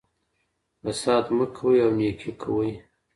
فساد مه کوئ او نېکي کوئ.